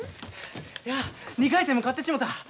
２回戦も勝ってしもた！